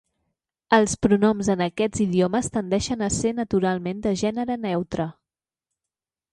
Els pronoms en aquests idiomes tendeixen a ser naturalment de gènere neutre.